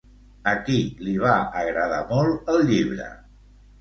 A qui li va agradar molt el llibre?